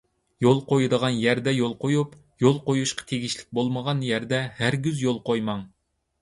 يول قويىدىغان يەردە يول قويۇپ، يول قويۇشقا تېگىشلىك بولمىغان يەردە ھەرگىز يول قويماڭ.